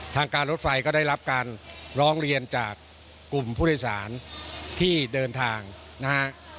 ทางการรถไฟก็ได้รับการร้องเรียนจากกลุ่มผู้โดยสารที่เดินทางนะฮะ